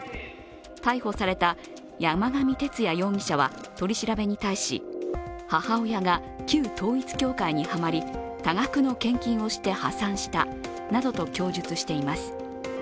逮捕された山上徹也容疑者は取り調べに対し、母親が旧統一教会にはまり、多額の献金をして破産したなどと供述しています。